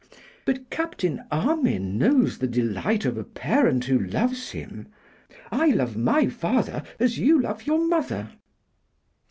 'But Captain Armine knows the delight of a parent who loves him. I love my father as you love your mother.